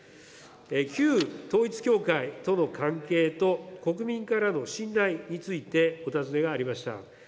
旧統一教会との関係と国民からの信頼についてお尋ねがありました。